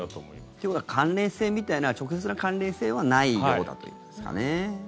ということは関連性みたいな直接の関連性はないようだということですかね。